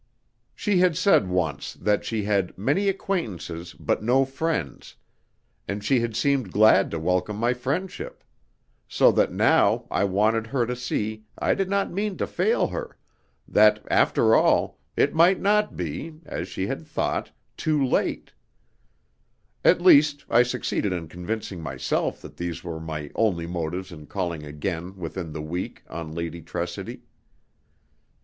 She had said once that she had "many acquaintances but no friends," and she had seemed glad to welcome my friendship; so that now I wanted her to see I did not mean to fail her that, after all, it might not be as she had thought, too late. At least, I succeeded in convincing myself that these were my only motives in calling again within the week on Lady Tressidy.